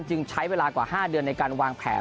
จึงใช้เวลากว่า๕เดือนในการวางแผน